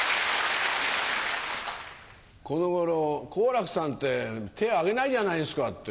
この頃「好楽さんって手挙げないじゃないですか」って